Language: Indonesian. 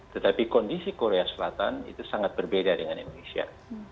tetapi kondisi korea selatan itu sangat berbeda dengan indonesia